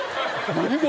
何？